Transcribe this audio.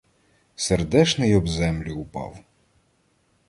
Сердешний об землю упав.